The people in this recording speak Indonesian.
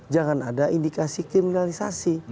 jangan ada indikasi kriminalisasi